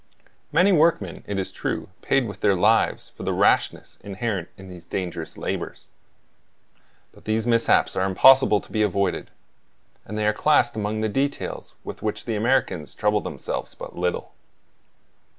Many workmen, it is true, paid with their lives for the rashness inherent in these dangerous labors; but these mishaps are impossible to be avoided, and they are classed among the details with which the Americans trouble themselves but little.